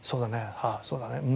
「ああそうだ。